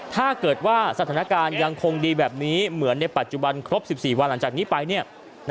ถ้าเกิดว่าสถานการณ์ยังคงดีแบบนี้เหมือนในปัจจุบันครบ๑๔วันหลังจากนี้ไปเนี่ย